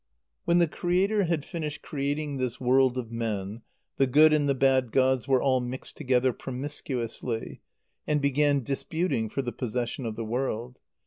_ When the Creator had finished creating this world of men, the good and the bad gods were all mixed together promiscuously, and began disputing for the possession of the world.